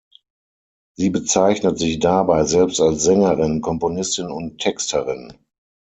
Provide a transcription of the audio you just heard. Sie bezeichnet sich dabei selbst als Sängerin, Komponistin und Texterin.